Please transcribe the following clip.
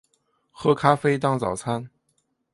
喝咖啡当早餐